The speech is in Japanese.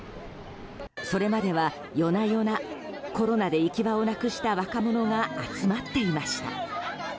それまでは、夜な夜なコロナで行き場をなくした若者が集まっていました。